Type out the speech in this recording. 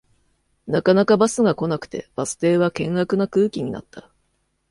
なかなかバスが来なくてバス停は険悪な空気になった